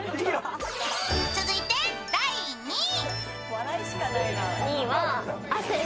続いて第２位。